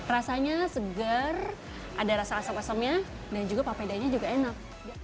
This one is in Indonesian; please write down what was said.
rasanya segar ada rasa asam asamnya dan juga papedanya juga enak